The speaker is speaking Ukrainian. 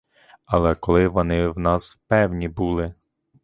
Але коли вони в нас певні були?